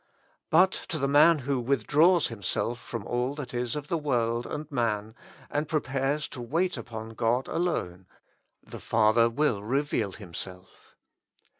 But to the man who withdraws himself from all that is of the world and man, and prepares to wait upon God alone, the Father will reveal Himself.